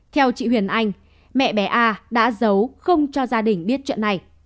theo chị huyền anh mẹ bé a đã giấu không cho gia đình biết chuyện này